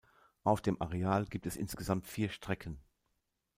Auf dem Areal gibt es insgesamt vier Strecken.